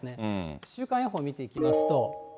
週間予報見ていきますと。